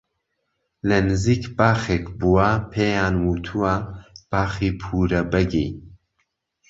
لە نزیک باخێک بووە پێیان وتووە باخی پوورە بەگی